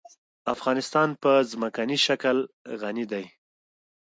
افغانستان په ځمکنی شکل غني دی.